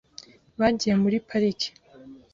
Bagiye muri pariki